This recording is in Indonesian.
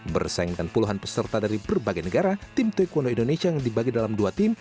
bersaing dengan puluhan peserta dari berbagai negara tim taekwondo indonesia yang dibagi dalam dua tim